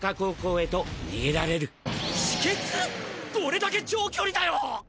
どれだけ長距離だよ！